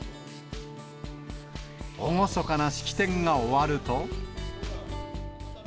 厳かな式典が終わると。